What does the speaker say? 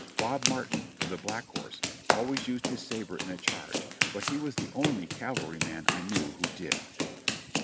Bob Martin, of the Black Horse, always used his sabre in a charge, but he was the only cav alryman I knew who did.